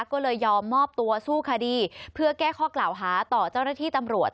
ก็เลยยอมมอบตัวสู้คดีเพื่อแก้ข้อกล่าวหาต่อเจ้าหน้าที่ตำรวจ